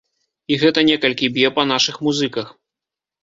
І гэта некалькі б'е па нашых музыках.